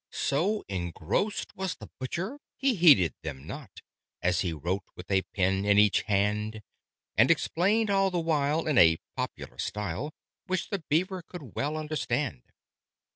So engrossed was the Butcher, he heeded them not, As he wrote with a pen in each hand, And explained all the while in a popular style Which the Beaver could well understand.